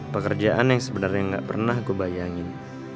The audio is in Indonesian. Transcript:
pekerjaan yang sebenarnya gak pernah aku bayangin